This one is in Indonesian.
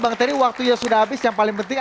bang terry waktunya sudah habis yang paling penting